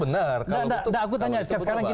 nah kalau itu benar